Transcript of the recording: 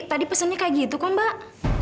tadi pesannya kayak gitu kok mbak